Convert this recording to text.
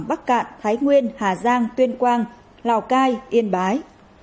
bắc cạn thái nguyên hà giang tuyên quang lào cai yên bái